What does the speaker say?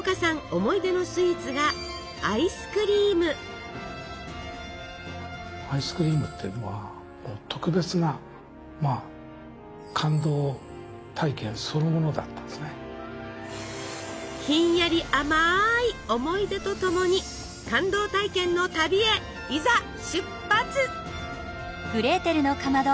思い出のスイーツがひんやり甘い思い出とともに感動体験の旅へいざ出発！